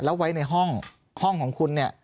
แล้วไว้ในห้องห้องของคุณเนี่ย